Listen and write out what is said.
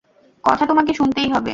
কথা তোমাকে শুনতেই হবে!